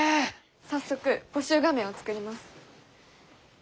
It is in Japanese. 早速募集画面を作ります。